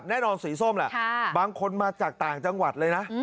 ให้รู้สินบางคนมาจากต่างจังหวัดเลยนะ